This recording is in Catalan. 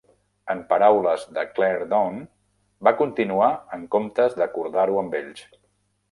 En paraules de Clarendon, va continuar en comptes d'acordar-ho amb ells.